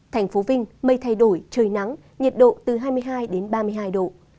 thành phố vinh mây thay đổi trời nắng nhiệt độ từ hai mươi hai ba mươi hai độ